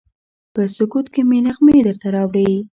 په سکوت کې مې نغمې درته راوړي